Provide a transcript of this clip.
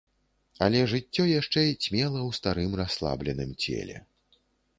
Але жыццё яшчэ цьмела ў старым, расслабленым целе.